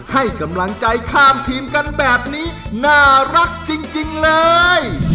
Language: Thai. ให้กำลังใจข้ามทีมกันแบบนี้น่ารักจริงเลย